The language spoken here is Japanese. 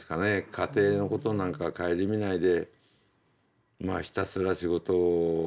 家庭のことなんて顧みないでひたすら仕事。